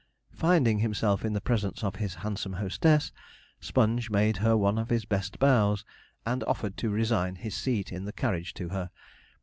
Finding himself in the presence of his handsome hostess, Sponge made her one of his best bows, and offered to resign his seat in the carriage to her.